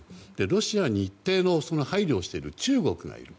ロシアに一定の配慮をしている中国がいる。